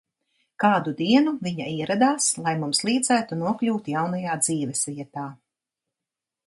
Kādu dienu viņa ieradās, lai mums līdzētu nokļūt jaunajā dzīves vietā.